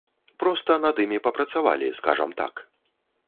Проста над імі папрацавалі, скажам так.